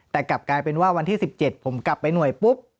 แต่กลับกลายเป็นว่าวันที่๑๗ผมกลับไปหน่วยปุ๊บ